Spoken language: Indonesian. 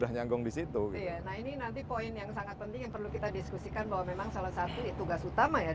nah ini nanti poin yang sangat penting yang perlu kita diskusikan bahwa memang salah satu tugas utama ya